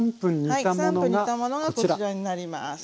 はい３分煮たものがこちらになります。